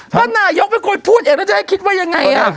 ก็นายกไม่ค่อยพูดเองแล้วจะให้คิดว่ายังไงอ่ะ